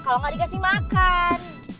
kalau tidak dikasih makan